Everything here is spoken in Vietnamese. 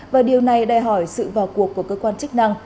và điều này đòi hỏi sự vào cuộc của cơ quan chức năng